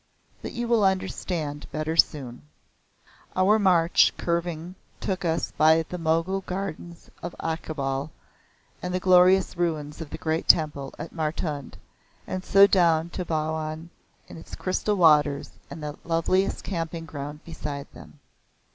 But you will understand better soon." Our march curving took us by the Mogul gardens of Achibal, and the glorious ruins of the great Temple at Martund, and so down to Bawan with its crystal waters and that loveliest camping ground beside them.